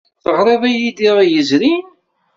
Teɣriḍ-iyi-d iḍ yezrin?